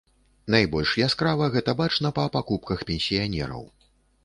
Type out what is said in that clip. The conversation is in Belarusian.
Найбольш яскрава гэта бачна па пакупках пенсіянераў.